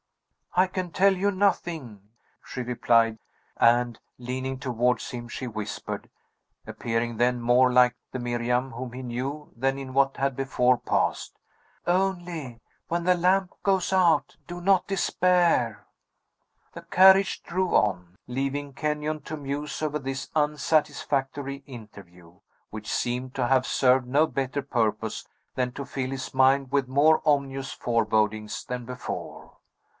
"I can tell you nothing," she replied; and leaning towards him, she whispered, appearing then more like the Miriam whom he knew than in what had before passed, "Only, when the lamp goes out do not despair." The carriage drove on, leaving Kenyon to muse over this unsatisfactory interview, which seemed to have served no better purpose than to fill his mind with more ominous forebodings than before.